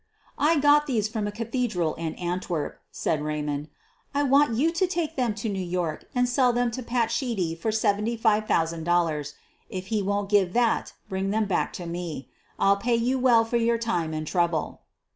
"I got these from a cathedral in Antwerp," said Raymond. "I want you to take them to New York and sell them to Pat Sheedy for $75,000. If he won't give that, bring them back to me. I'll pay you well for your time and trouble."